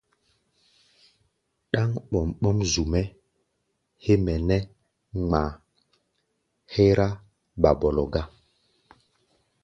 Ɗáŋ ɓɔm-ɓɔ́m zu-mɛ́ héé mɛ nɛ́ ŋma hɛ́rá ɓaɓɔlɔ gá.